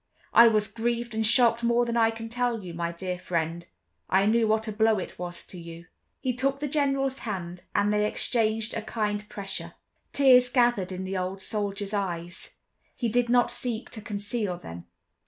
"I was grieved and shocked more than I can tell you, my dear friend; I knew what a blow it was to you." He took the General's hand, and they exchanged a kind pressure. Tears gathered in the old soldier's eyes. He did not seek to conceal them.